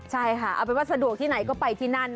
ใช่ค่ะเอาเป็นว่าสะดวกที่ไหนก็ไปที่นั่น